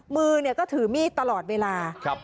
มือก็ถือมีดตลอดเวลา